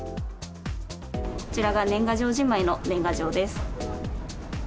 こちらが年賀状じまいの年賀状です。